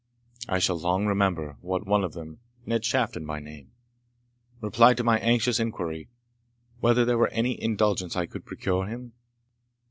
I shall long remember what one of them, Ned Shafton by name, replied to my anxious inquiry, whether there was any indulgence I could procure him?